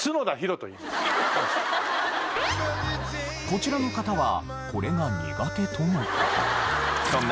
こちらの方はこれが苦手との事。